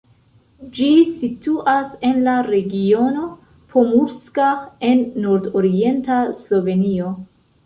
Ĝi situas en la regiono Pomurska en nordorienta Slovenio.